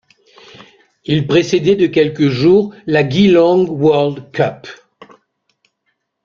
Il précédait de quelques jours la Geelong World Cup.